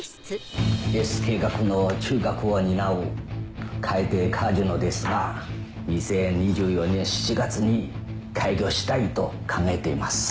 Ｓ計画の中核を担う海底カジノですが２０２４年７月に開業したいと考えています。